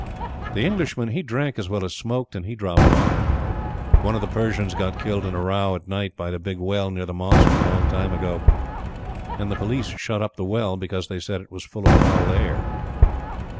The Englishman, he drank as well as smoked, and he dropped off. One of the Persians got killed in a row at night by the big well near the mosque a long time ago, and the Police shut up the well, because they said it was full of foul air.